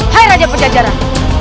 hai raja penjajaran